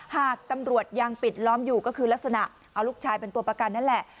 หากตำรวจยังปิดล้อมอยู่ก็คือลักษณะเอาลูกชายเป็นตัวประกันนั่นแหละ